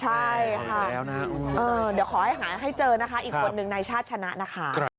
ใช่ค่ะเดี๋ยวขอให้หาให้เจอนะคะอีกคนนึงนายชาติชนะนะคะ